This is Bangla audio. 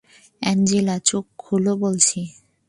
অ্যাঞ্জেলা, চোখ খোলো বলছি!